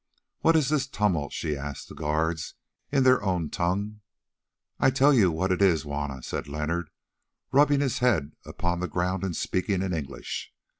"What is this tumult?" she asked the guards in their own tongue. "I tell you what it is, Juanna," said Leonard, rubbing his head upon the ground and speaking in English.